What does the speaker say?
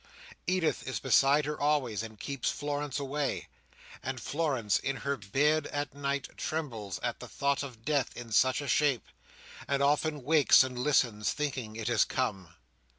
Edith is beside her always, and keeps Florence away; and Florence, in her bed at night, trembles at the thought of death in such a shape, and often wakes and listens, thinking it has come.